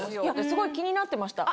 すごい気になってました。